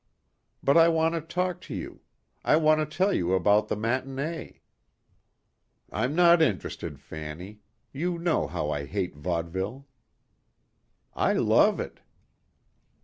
"But I want to talk to you. I want to tell you about the matinee." "I'm not interested, Fanny. You know how I hate vaudeville." "I love it."